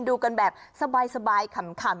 ดูกันแบบสบายขำ